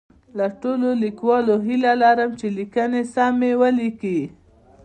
له ټولو لیکوالو هیله لرم چي لیکنې سمی ولیکي